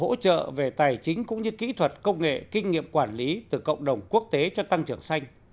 hỗ trợ về tài chính cũng như kỹ thuật công nghệ kinh nghiệm quản lý từ cộng đồng quốc tế cho tăng trưởng xanh